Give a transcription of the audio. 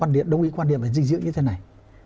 đông y quan điểm là dinh dưỡng như thế này